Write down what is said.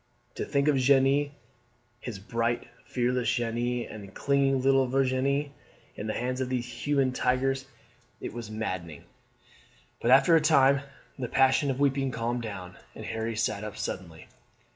To think of Jeanne his bright, fearless Jeanne and clinging little Virginie, in the hands of these human tigers. It was maddening! But after a time the passion of weeping calmed down, and Harry sat up suddenly.